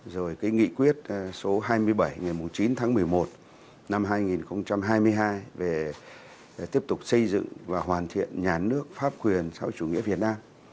rồi cái nghị quyết số hai mươi bảy ngày chín tháng một mươi một năm hai nghìn hai mươi hai về tiếp tục xây dựng và hoàn thiện nhà nước pháp quyền sau chủ nghĩa việt nam